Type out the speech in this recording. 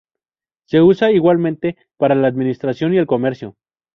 Se usa igualmente para la administración y el comercio.